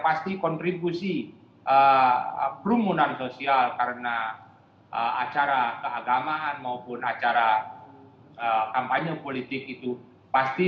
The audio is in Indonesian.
pasti kontribusi kerumunan sosial karena acara keagamaan maupun acara kampanye politik itu pasti